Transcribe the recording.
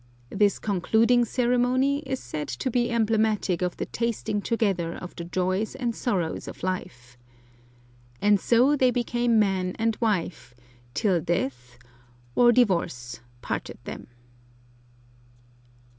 This concluding ceremony is said to be emblematic of the tasting together of the joys and sorrows of life. And so they became man and wife till death or divorce parted them.